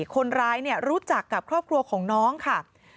คนร้ายรู้จักกับครอบครัวของน้องค่ะ